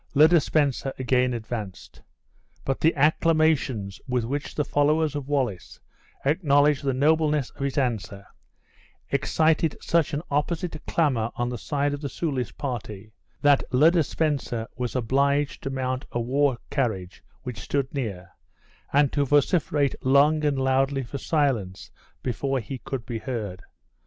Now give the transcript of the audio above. Le de Spencer again advanced; but the acclamations with which the followers of Wallace acknowledged the nobleness of his answer, excited such an opposite clamor on the side of the Soulis party, that Le de Spencer was obliged to mount a war carriage which stood near, and to vociferate long and loudly for silence before he could be heard.